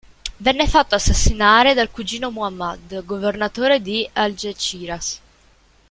Venne fatto assassinare dal cugino Muḥammad, governatore di Algeciras.